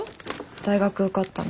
大学受かったの。